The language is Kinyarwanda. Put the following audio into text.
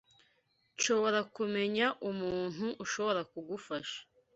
Nshobora kumenya umuntu ushobora kugufasha.